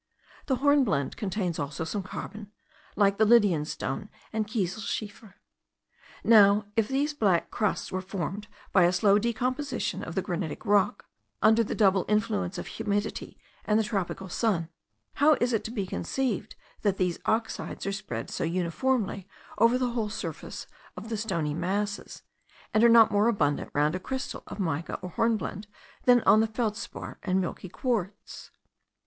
The hornblende contains also some carbon, like the Lydian stone and kieselschiefer. Now, if these black crusts were formed by a slow decomposition of the granitic rock, under the double influence of humidity and the tropical sun, how is it to be conceived that these oxides are spread so uniformly over the whole surface of the stony masses, and are not more abundant round a crystal of mica or hornblende than on the feldspar and milky quartz?